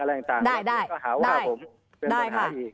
ก็หาว่าผมเป็นปัญหาอีก